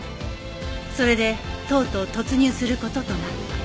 それでとうとう突入する事となった